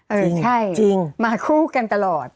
เออเออใช่มาคู่กันตลอด